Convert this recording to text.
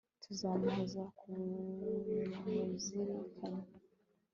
tuzamuhoza ku muzirikanyi